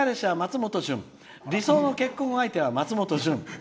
理想の結婚相手は松本潤」。